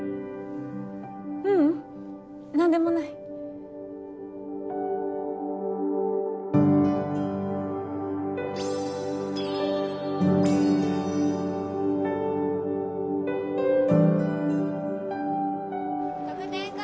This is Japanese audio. ううん何でもない特典会